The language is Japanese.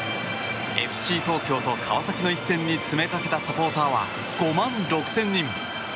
ＦＣ東京と川崎の一戦に詰めかけたサポーターは５万６０００人。